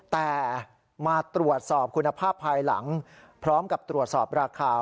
แต่มาตรวจสอบคุณภาพภายหลังพร้อมกับตรวจสอบราคา